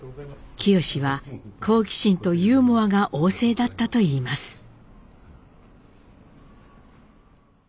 「清は好奇心とユーモアが旺盛だった」といいます。